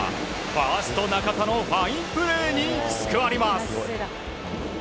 ファースト中田のファインプレーに救われます。